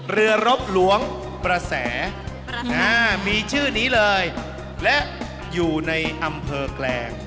เรือรบหลวงประแสมีชื่อนี้เลยและอยู่ในอำเภอแกลง